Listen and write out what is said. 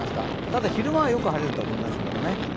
ただ、昼間はよく晴れると思いますけどね。